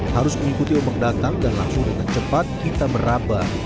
harus mengikuti ombak datang dan langsung dengan cepat kita meraba